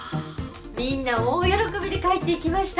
みんな大喜びで帰っていきました。